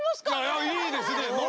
ノリいいですね！